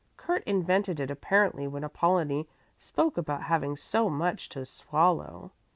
Kurt invented it apparently when Apollonie spoke about having so much to swallow.